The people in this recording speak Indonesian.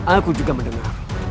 aku juga mendengar